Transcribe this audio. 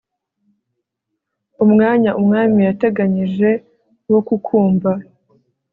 umwanya umwami yateganyije wo kukumva